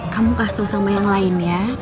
kamu kasih tahu sama yang lain ya